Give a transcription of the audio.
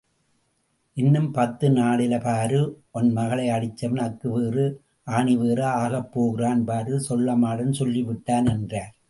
இன்னும் பத்து நாள்ல பாரு, ஒன் மகள அடிச்சவன் அக்குவேறு... ஆணிவேறா ஆகப்போறான் பாரு... சொள்ளமாடன் சொல்லிட்டான் என்றார்.